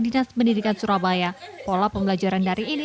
dinas pendidikan surabaya pola pembelajaran dari ini